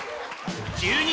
１２